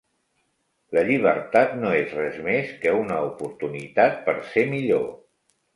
La llibertat no és res més que una oportunitat per ser millor.